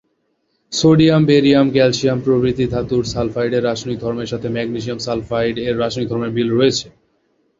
Sodium, barium, calcium প্রভৃতি ধাতুর সালফাইডের রাসায়নিক ধর্মের সাথে ম্যাগনেসিয়াম সালফাইডের এর রাসায়নিক ধর্মের মিল রয়েছে।